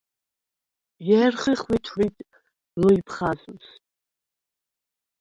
ჲერხი ხვითვრიდ ლჷჲფხაზუს.